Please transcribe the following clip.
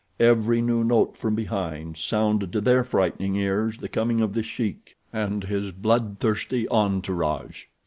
Every new note from behind sounded to their frightened ears the coming of The Sheik and his bloodthirsty entourage.